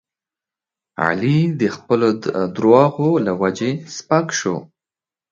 علي د خپلو دروغو له وجې سپک شو.